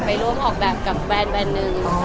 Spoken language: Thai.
ไปร่วมออกแบบกับแบรนด์หนึ่ง